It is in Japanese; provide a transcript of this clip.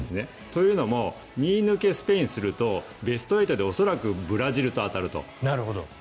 というのも２位抜けスペインがするとベスト８で恐らくブラジルで当たると。